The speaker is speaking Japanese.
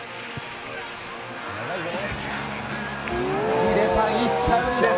ヒデさん、いっちゃうんです。